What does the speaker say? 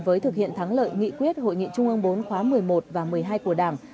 với thực hiện thắng lợi nghị quyết hội nghị trung ương bốn khóa một mươi một và một mươi hai của đảng